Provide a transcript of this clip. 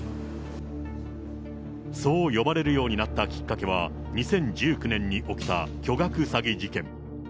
そう呼ばれるようになったきっかけは、２０１９年に起きた巨額詐欺事件。